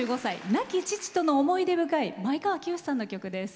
亡き父との思い出深い前川清さんの曲です。